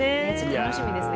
楽しみですね。